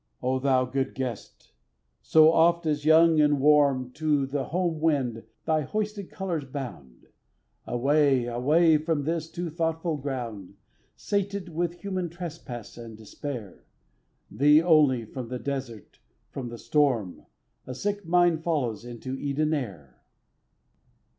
O thou good guest! So oft as, young and warm, To the home wind thy hoisted colors bound, Away, away from this too thoughtful ground, Sated with human trespass and despair, Thee only, from the desert, from the storm, A sick mind follows into Eden air.